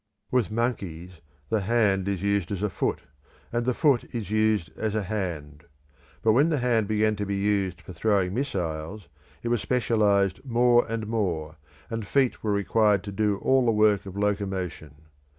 With monkeys the hand is used as a foot, and the foot is used as a hand. But when the hand began to be used for throwing missiles, it was specialised more and more, and feet were required to do all the work of locomotion.